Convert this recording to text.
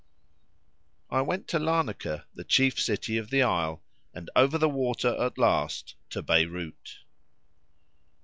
I went to Larnaca, the chief city of the isle, and over the water at last to Beyrout.